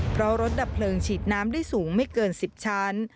เพราะรถดับเพลิงฉีดน้ำได้สูงไม่เกิน๑๐ชั้น